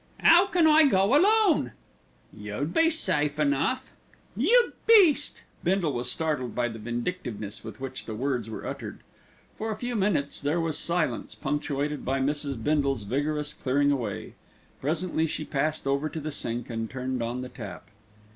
"'Ow can I go alone?" "You'd be safe enough." "You beast!" Bindle was startled by the vindictiveness with which the words were uttered. For a few minutes there was silence, punctuated by Mrs. Bindle's vigorous clearing away. Presently she passed over to the sink and turned on the tap.